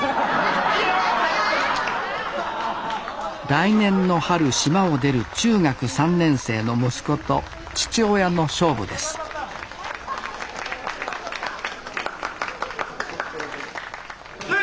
来年の春島を出る中学３年生の息子と父親の勝負です・始め！